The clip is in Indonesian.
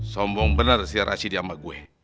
sombong bener si rashidi sama gue